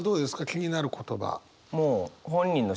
気になる言葉。